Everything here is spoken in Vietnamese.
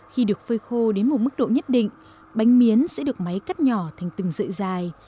khi được phơi khô đến một mức độ nhất định bánh miến sẽ được máy cắt nhỏ thành từng dạy dài